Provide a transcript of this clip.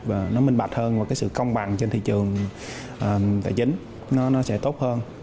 và nó minh bạch hơn và sự công bằng trên thị trường tài chính sẽ tốt hơn